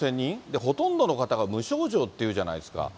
ほとんどの方が無症状っていうじゃないですか。